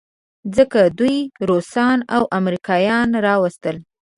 ځکه دوی روسان او امریکایان راوستل.